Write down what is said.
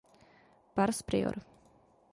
Pars prior.